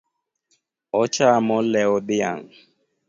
Ochamo lew dhiang’